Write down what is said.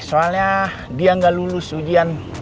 soalnya dia nggak lulus ujian